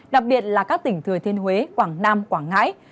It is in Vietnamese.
đặc biệt là các tỉnh thừa thiên huế quảng nam quảng ngãi